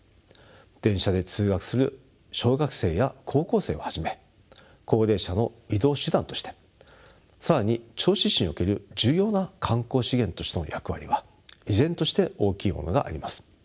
電車で通学する小学生や高校生をはじめ高齢者の移動手段として更に銚子市における重要な観光資源としての役割は依然として大きいものがあります。